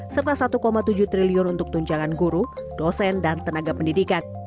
serta rp satu tujuh triliun untuk tunjangan guru dosen dan tenaga pendidikan